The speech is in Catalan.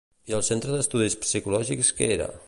I el Centre d'Estudis Psicològics què era?